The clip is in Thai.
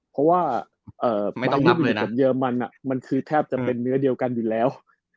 เพราะว่าเยอร์มันแทบจะเป็นเนื้อเดียวกันอยู่แล้ว